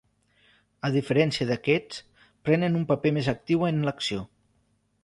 A diferència d'aquests, pren un paper més actiu en l'acció.